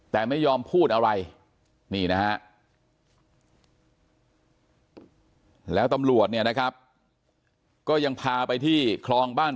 แต่ไม่ยอมพูดอะไรนี่นะฮะแล้วตำรวจเนี่ยนะครับก็ยังพาไปที่คลองบ้าน